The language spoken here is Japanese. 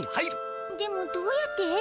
でもどうやって？